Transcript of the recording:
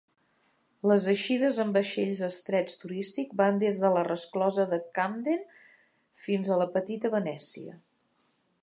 Les eixides en vaixells estrets turístics van des de la resclosa de Camden fins a la petita Venècia.